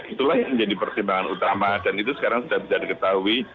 itulah yang menjadi pertimbangan utama dan itu sekarang sudah bisa diketahui